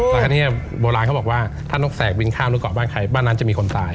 แล้วก็เนี่ยโบราณเขาบอกว่าถ้านกแสกบินข้ามนกเกาะบ้านใครบ้านนั้นจะมีคนตาย